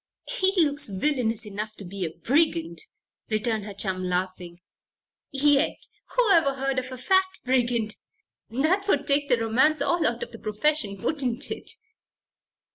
"He looks villainous enough to be a brigand," returned her chum, laughing. "Yet, whoever heard of a fat brigand? That would take the romance all out of the profession; wouldn't it?"